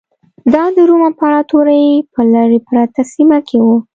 دا د روم امپراتورۍ په لرې پرته سیمه کې و